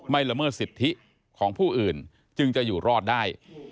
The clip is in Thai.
ละเมิดสิทธิของผู้อื่นจึงจะอยู่รอดได้